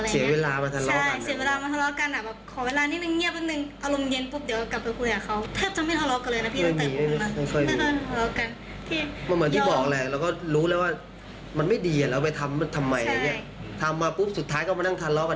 หนูรู้สึกว่าเวลางอนไม่อยากทำนิสัยแย่กับเขา